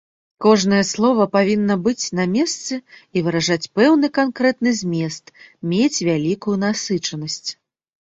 Кожнае слова павінна быць на месцы і выражаць пэўны канкрэтны змест, мець вялікую насычанасць.